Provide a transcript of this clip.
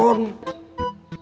semakin banyak penontonnya